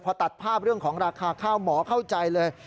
พอตัดภาพเรื่องของราคาข้าวหมอเข้าใจเลย